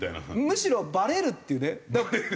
むしろバレるっていうね。